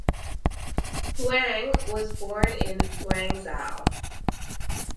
Huang was born in Guangzhou.